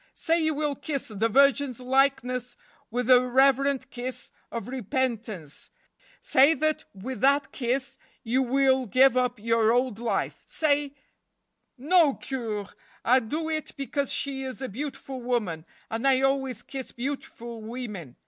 " Say you will kiss the Virgin's likeness with the reverent kiss of repentance ; say that with that kiss you will give up your old life; say "" No, Cure, I do it because she is a beautiful woman, and I always kiss beautiful women.